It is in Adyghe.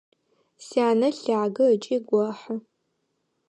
Сянэ лъагэ ыкӏи гохьы.